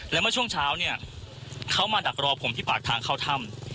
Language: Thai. และเมื่อช่วงเช้าเนี่ยเขามาดักรอผมที่ปากทางเข้าถ้ำ